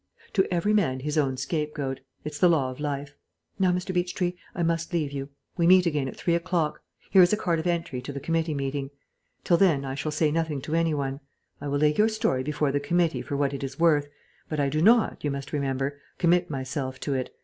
"To every man his own scapegoat; it's the law of life. Now, Mr. Beechtree, I must leave you. We meet again at three o'clock. Here is a card of entry to the committee meeting. Till then I shall say nothing to any one. I will lay your story before the committee for what it is worth, but I do not, you must remember, commit myself to it.